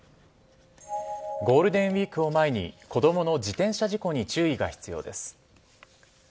ゴールデンウイークを前に子供の自転車事故に注意が必要です。